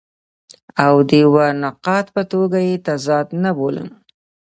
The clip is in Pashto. او د یوه نقاد په توګه یې تضاد نه بولم.